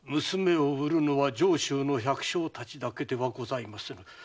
娘を売るのは上州の百姓たちだけではございませぬ。